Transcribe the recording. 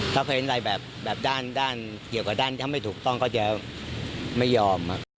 ถ้าเขาเห็นอะไรแบบด้านเกี่ยวกับด้านถ้าไม่ถูกต้องก็จะไม่ยอม